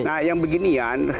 nah yang beginian